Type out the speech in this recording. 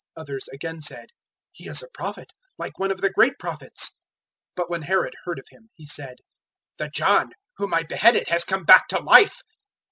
Others again said, "He is a Prophet, like one of the great Prophets." 006:016 But when Herod heard of Him, he said, "The John, whom I beheaded, has come back to life."